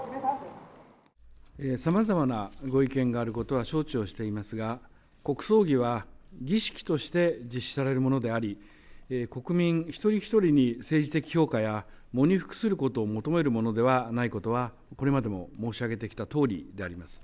さまざまなご意見があることは承知をしていますが、国葬儀は儀式として実施されるものであり、国民一人一人に政治的評価や喪に服することを求めるものではないことは、これまでも申し上げてきたとおりであります。